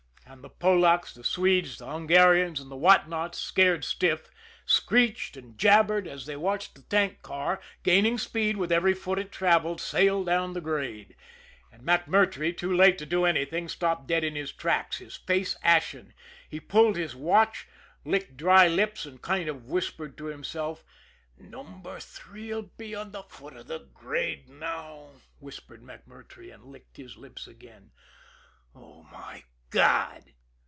And the Polacks, the Swedes, the Hungarians and the What Nots, scared stiff, screeched and jabbered, as they watched the tank car, gaining speed with every foot it travelled, sail down the grade. And MacMurtrey, too late to do anything, stopped dead in his tracks his face ashen. He pulled his watch, licked dry lips, and kind of whispered to himself. "Number Three 'll be on the foot of the grade now," whispered MacMurtrey, and licked his lips again. "Oh, my God!"